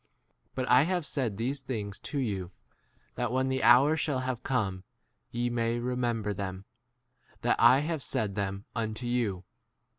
But I have said these things to you, that when the*? hour shall have come ye may remember them, that I ' have said [them] unto you.